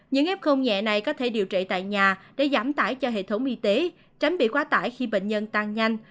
những f nhẹ này có thể điều trị tại nhà để giảm tải cho hệ thống y tế tránh bị quá tải khi bệnh nhân tăng nhanh